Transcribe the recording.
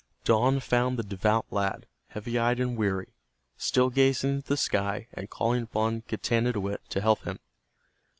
Dawn found the devout lad, heavy eyed and weary, still gazing into the sky and calling upon Getanittowit to help him.